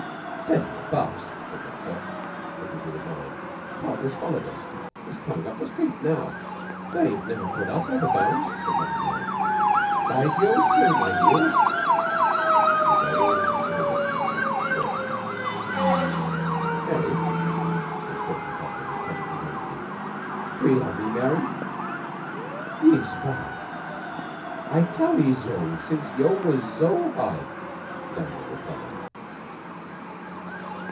"Steady the Buffs!" said McTurk, looking through the blind. "Tulke has followed us. He's comin' up the street now." "They've niver put us out o' bounds," said Mother Yeo. "Bide yeou still, my little dearrs." She rolled into the inner room to make the score. "Mary," said Stalky, suddenly, with tragic intensity. "Do 'ee lov' me, Mary?" "Iss fai! Talled 'ee zo since yeou was zo high!" the damsel replied.